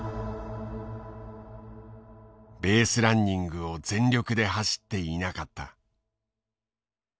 「ベースランニングを全力で走っていなかった」。